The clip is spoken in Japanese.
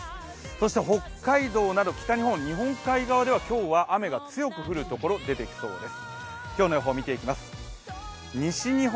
そして北海道など北日本、日本海側では今日は雨が強く降るところが出てきそうです。